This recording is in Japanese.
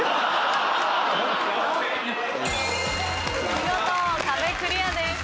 見事壁クリアです。